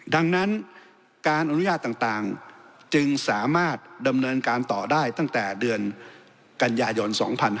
ดังนั้นการอนุญาตต่างจึงสามารถดำเนินการต่อได้ตั้งแต่เดือนกันยายน๒๕๕๙